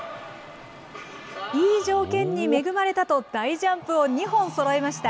いい条件に恵まれたと、大ジャンプを２本そろえました。